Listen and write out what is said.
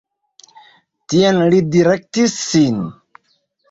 Tien li direktis sin.